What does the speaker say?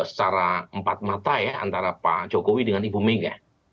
secara empat mata ya antara pak jokowi dengan ibu mega